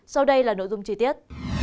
sau đây là nội dung chi tiết